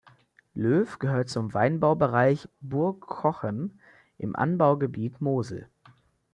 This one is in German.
Löf gehört zum Weinbaubereich Burg Cochem im Anbaugebiet Mosel.